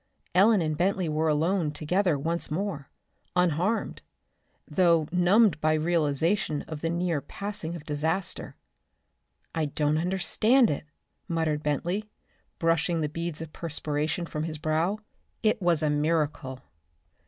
Ellen and Bentley were alone together once more, unharmed though numbed by realization of the near passing of disaster. "I don't understand it," muttered Bentley, brushing the beads of perspiration from his brow. "It was a miracle!"